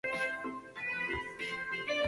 规划路线时曾为了路线选择产生争议。